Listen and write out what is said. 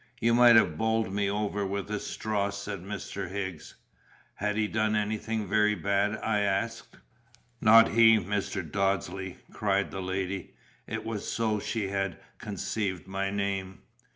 You might have bowled me over with a straw," said Mr. Higgs. "Had he done anything very bad?" I asked. "Not he, Mr. Dodsley!" cried the lady it was so she had conceived my name.